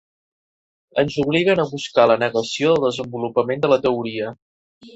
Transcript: Ens obliguen a buscar la negació del desenvolupament de la teoria.